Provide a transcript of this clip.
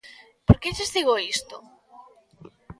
¿Por que lles digo isto?